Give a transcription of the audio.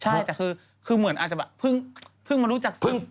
ใช่แต่คือเหมือนอาจจะแบบเพิ่งมารู้จัก